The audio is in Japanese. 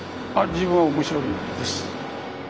自分は面白いです。